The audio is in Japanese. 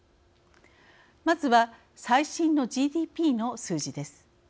まずは、最新のＧＤＰの数字です。